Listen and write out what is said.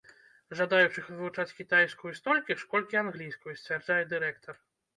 Жадаючых вывучаць кітайскую столькі ж, колькі англійскую, сцвярджае дырэктар.